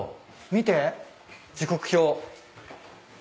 見て時刻表。